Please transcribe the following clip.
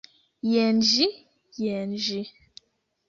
Jen ĝi! jen ĝi!